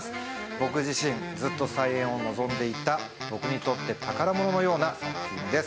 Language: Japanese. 僕自身、ずっと再演を望んでいた僕にとって宝物のような作品です。